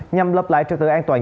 nhằm lập lại trật tựa an toàn